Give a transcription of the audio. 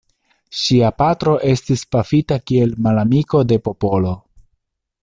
Ŝia patro estis pafita kiel «malamiko de popolo».